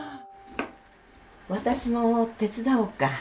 私も手伝おうか？